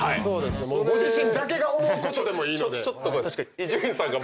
ご自身だけが思うことでもいいので。